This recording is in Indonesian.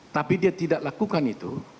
tapi dia tidak lakukan itu